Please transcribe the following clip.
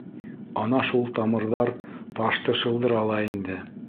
Ана шул тамырҙар ташты шылдыра ла инде.